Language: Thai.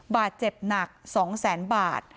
บาดเจ็บหนัก๒๐๐๐๐๐บาท